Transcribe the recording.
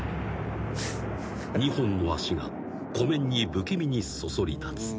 ［２本の足が湖面に不気味にそそり立つ］